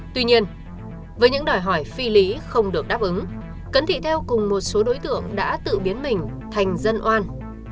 tuy nhiên với những đòi hỏi phi lý không được đáp ứng cẩn thị theo cùng một số đối tượng đã tự biến mình thành dân oan